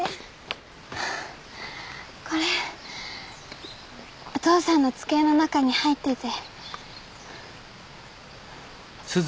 ハァこれお父さんの机の中に入っていて。